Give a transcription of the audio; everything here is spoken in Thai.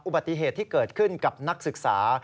อุบัติเหตุที่เกิดขึ้นกับนักศึกษา